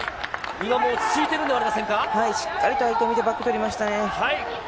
今も落ち着いているんではあはい、しっかりと相手を見てバック取りましたね。